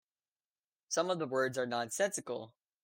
Some of the words are nonsensical.